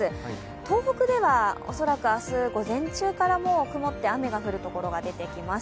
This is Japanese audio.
東北では恐らく明日、午前中から曇って雨が降る所が出てきます。